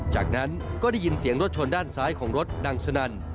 จากนั้นก็ได้ยินเสียงรถชนด้านซ้ายของรถดังสนั่น